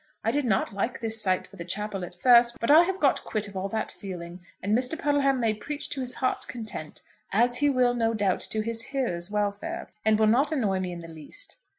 I did not like this site for the chapel at first; but I have got quit of all that feeling, and Mr. Puddleham may preach to his heart's content, as he will, no doubt, to his hearers' welfare, and will not annoy me in the least."